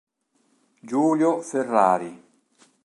Giulio Ferrari